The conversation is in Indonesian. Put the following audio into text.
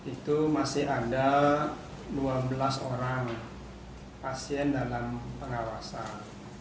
pada tahun dua ribu dua puluh masih ada dua belas orang pasien dalam pengawasan